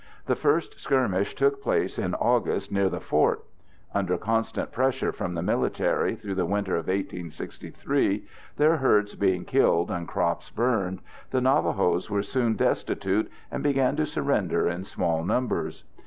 The first skirmish took place in August near the fort. Under constant pressure from the military through the winter of 1863, their herds being killed and crops burned, the Navajos were soon destitute and began to surrender in small numbers.